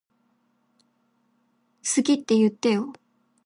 好きって言ってよ